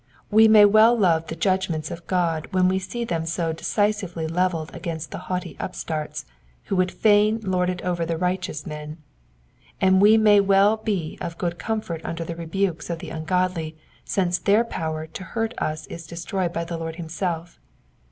We may well love the judgments of God when we see them so decisively levelled against the haughty upstarts who would fain lord it over righteous men ; and we may well be of guod comfort under the rebukes of the ungodly since their power to hurt us is destroyed by the Lord himself.